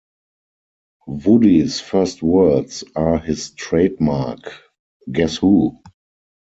Woody's first words are his trademark Guess who?